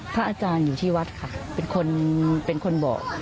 พระอาจารย์อยู่ที่วัดค่ะเป็นคนเป็นคนบอก